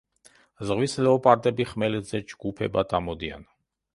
ზღვის ლეოპარდები ხმელეთზე ჯგუფებად ამოდიან.